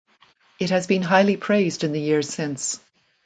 It has been highly praised in the years since.